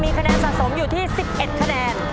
คะแนนสะสมอยู่ที่๑๑คะแนน